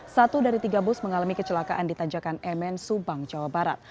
satu dari tiga bus mengalami kecelakaan di tanjakan mn subang jawa barat